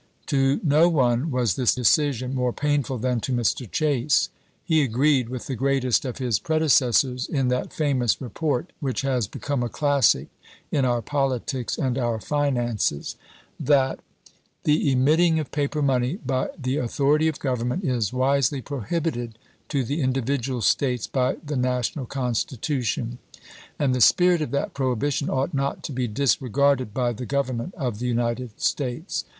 To no one was this decision more painful than to Mr. Chase. He agreed with the greatest of his predecessors, in that famous report which has become a classic in our politics and our finances, that — The emitting of paper money by the authority of Gov ernment is wisely prohibited to the individual States by the national Constitution ; and the spirit of that prohibition ought not to be disregarded by the Govern ment of the United States.